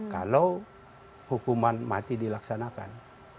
kalau hukuman mati dilaksanakan